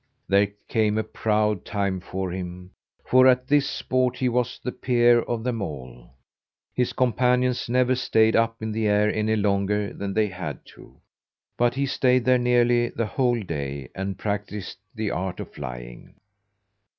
There came a proud time for him, for at this sport he was the peer of them all. His companions never stayed up in the air any longer than they had to, but he stayed there nearly the whole day, and practised the art of flying.